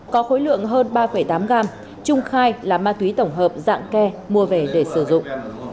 có khối lượng hơn ba tám gram trung khai là ma túy tổng hợp dạng ke mua về để sử dụng